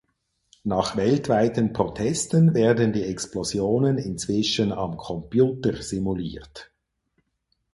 Nach weltweiten Protesten werden die Explosionen inzwischen am Computer simuliert.